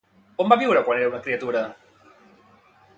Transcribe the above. On va viure quan era una criatura?